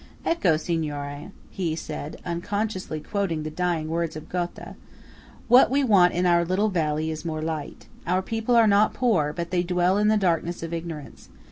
"Ecco, signora," he said, unconsciously quoting the dying words of Goethe, "what we want in our little valley is more light. Our people are not poor, but they dwell in the darkness of ignorance.